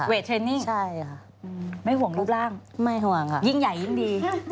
เวทเทรนิ่งไม่ห่วงรูปร่างยิ่งใหญ่ยิ่งดี